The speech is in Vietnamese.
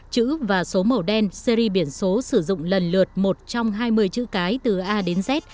chữ và số màu đen series biển số sử dụng lần lượt một trăm hai mươi chữ cái từ a đến z